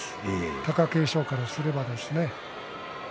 貴景勝からすればですね。